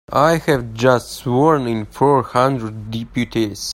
I've just sworn in four hundred deputies.